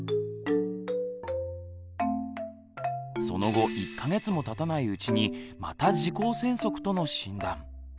その後１か月もたたないうちにまた「耳垢栓塞」との診断。